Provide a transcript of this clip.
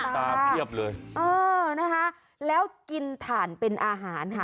ตาเพียบเลยเออนะคะแล้วกินถ่านเป็นอาหารค่ะ